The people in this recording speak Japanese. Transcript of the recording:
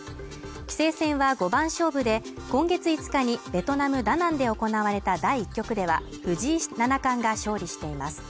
棋聖戦は５番勝負で、今月５日にベトナム・ダナンで行われた第１局では、藤井氏七冠が勝利しています。